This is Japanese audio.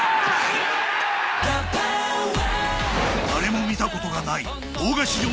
誰も見たことがない邦画史上